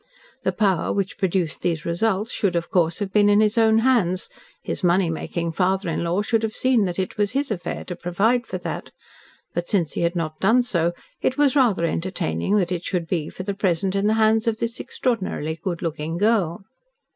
The power which produced these results should, of course, have been in his own hands his money making father in law should have seen that it was his affair to provide for that but since he had not done so, it was rather entertaining that it should be, for the present, in the hands of this extraordinarily good looking girl.